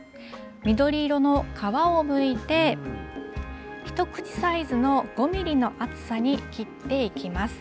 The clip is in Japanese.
緑色の皮をむいて、一口サイズの５ミリの厚さに切っていきます。